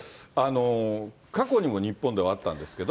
過去にも日本ではあったんですけど。